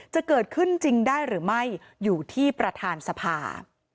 จะเกิดขึ้นจริงได้หรือไม่อยู่ที่ประธานสภา